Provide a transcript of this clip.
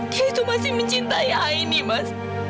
dia itu masih mencintai aini mas